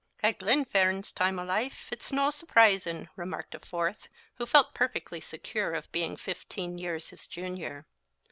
"At Glenfern's time o' life it's no surprisin'," remarked a fourth, who felt perfectly secure of being fifteen years his junior.